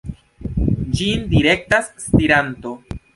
Ĝin direktas stiranto.